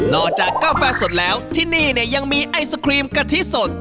จากกาแฟสดแล้วที่นี่เนี่ยยังมีไอศครีมกะทิสด